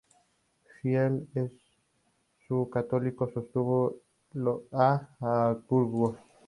Fiel a su fe católica, sostuvo a los Habsburgo.